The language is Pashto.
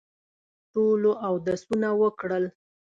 ټولو اودسونه وکړل.